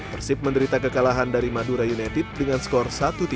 persib menderita kekalahan dari madura united dengan skor satu tiga